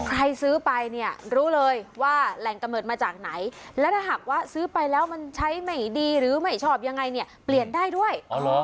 ซื้อไปเนี่ยรู้เลยว่าแหล่งกำเนิดมาจากไหนและถ้าหากว่าซื้อไปแล้วมันใช้ไม่ดีหรือไม่ชอบยังไงเนี่ยเปลี่ยนได้ด้วย